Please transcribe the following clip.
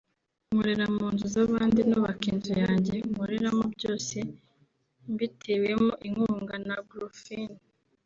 nkorera mu nzu z’abandi nubaka inzu yanjye nkoreramo byose mbitewemo inkunga na Grofin